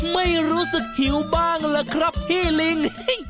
ไม่รู้สึกหิวบ้างล่ะครับพี่ลิง